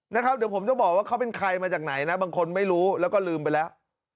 นะครับเดี๋ยวผมจะบอกว่าเขาเป็นใครมาจากไหนนะบางคนไม่รู้แล้วก็ลืมไปแล้ว